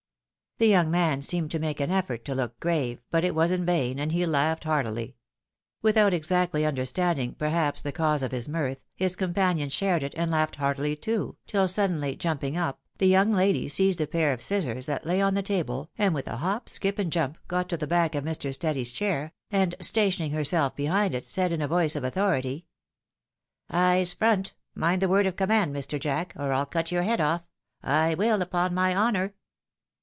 The young man seemed to make an effort to look grave, but it was in vain, and he laughed heartily. Without exactly understanding, perhaps, the cause of his mirth, his companion shared it, and laughed heartily too, tiU, suddenly jumping up, the young lady seized a pair of scissors that lay on the table, and with a hop, skip, and jump, got to the back of Mr. Steady's chair, and, stationing herself behind it, said in a voice of authority, " Eyes front ! Mind the word of command, Mr. Jack, or PU cut your head oif — I will, upon my honour."